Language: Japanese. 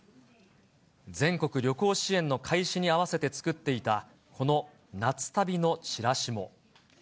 全国旅行支援の開始に合わせて作っていた、この夏旅のチラシも。